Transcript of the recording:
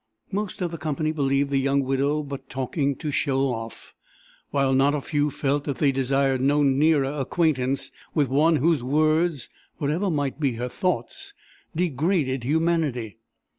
"Most of the company believed the young widow but talking to show off; while not a few felt that they desired no nearer acquaintance with one whose words, whatever might be her thoughts, degraded humanity.